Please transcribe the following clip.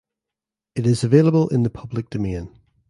It is available in the public domain.